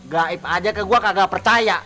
gaib aja ke gue kagak percaya